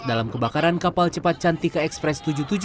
dalam kebakaran kapal cepat cantika ekspres tujuh puluh tujuh